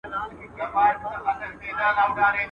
o تر ورخ تېري اوبه بيرته نه را گرځي.